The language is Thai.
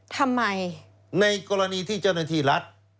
ทำไมในกรณีที่เจ้าหน้าที่รัฐ